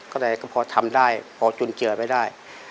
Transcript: ก็ได้ก็พอทำได้พอจนเจอไปได้